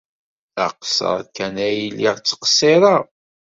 D aqeṣṣer kan ay lliɣ ttqeṣṣireɣ.